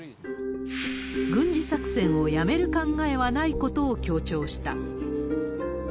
軍事作戦をやめる考えはないことを強調した。